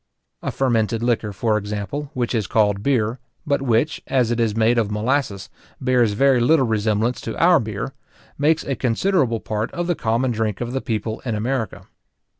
A fermented liquor, for example, which is called beer, but which, as it is made of molasses, bears very little resemblance to our beer, makes a considerable part of the common drink of the people in America.